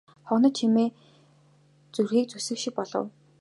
Хонхны чимээ зүрхийг нь зүсэх шиг болов.